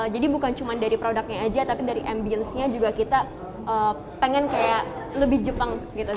jadi bukan cuma dari produknya aja tapi dari ambience nya juga kita pengen kayak lebih jepang gitu